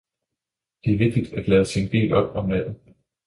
Det er vigtigt at lade sin bil op om natten